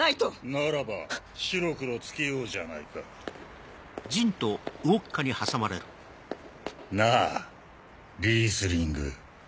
・ならば白黒つけようじゃないか・なぁリースリング。